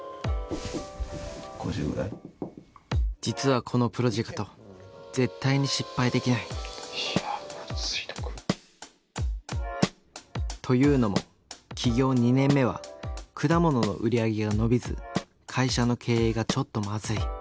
実はこのプロジェクト絶対に失敗できない。というのも起業２年目は果物の売り上げが伸びず会社の経営がちょっとまずい。